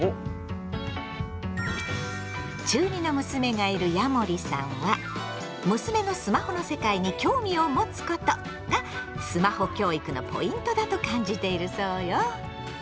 中２の娘がいるヤモリさんは「娘のスマホの世界に興味を持つこと」がスマホ教育のポイントだと感じているそうよ。